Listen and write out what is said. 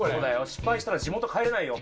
失敗したら地元帰れないよ。